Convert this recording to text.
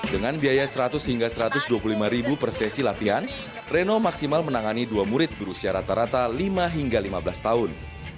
dengan biaya seratus hingga satu ratus dua puluh lima ribu per sesi latihan reno maksimal menangani dua murid berusia rata rata lima hingga lima belas tahun